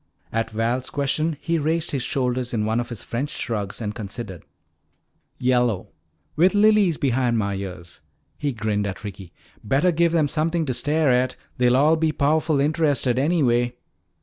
At Val's question he raised his shoulders in one of his French shrugs and considered. "Yellow, with lilies behind mah ears," he grinned at Ricky. "Bettah give them somethin' to stare at; they'll all be powerful interested, anyway."